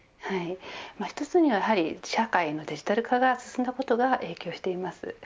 一つには社会のデジタル化が進んだことが影響しています。